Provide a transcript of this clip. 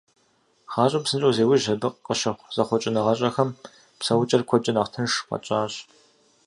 Гъащӏэм псынщӏэу зеужь, абы къыщыхъу зэхъуэкӏыныгъэщӏэхэм псэукӏэр куэдкӏэ нэхъ тынш къытщащӏ.